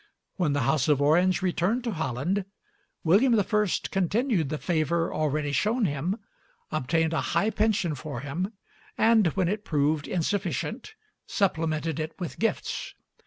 When the house of Orange returned to Holland, William I. continued the favor already shown him, obtained a high pension for him, and when it proved insufficient, supplemented it with gifts.